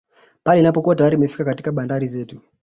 Pale inapokuwa tayari imefika katika bandari zetu